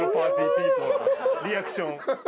ピープルなリアクション。